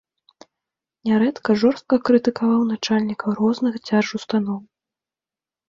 Нярэдка жорстка крытыкаваў начальнікаў розных дзяржустаноў.